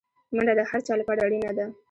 منډه د هر چا لپاره اړینه ده